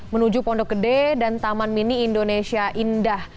menuju pondok gede dan taman mini indonesia indah